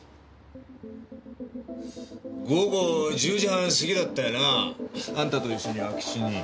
午後１０時半過ぎだったよな？あんたと一緒に空き地に。